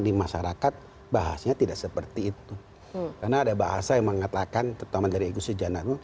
di masyarakat bahasnya tidak seperti itu karena ada bahasa yang mengatakan terutama dari ego sejanarno